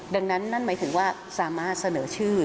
ดังนั้นนั่นหมายถึงว่าสามารถเสนอชื่อ